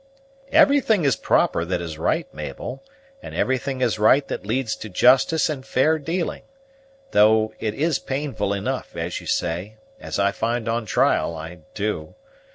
"Everything is proper that is right, Mabel; and everything is right that leads to justice and fair dealing; though it is painful enough, as you say, as I find on trial, I do.